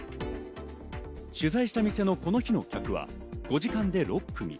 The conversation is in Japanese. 取材した店のこの日の客は５時間で６組。